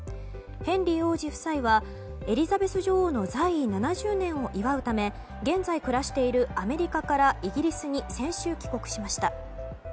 ヘンリー王子夫妻はエリザベス女王の在位７０年を祝うため現在暮らしているアメリカからイギリスに先週、帰国しました。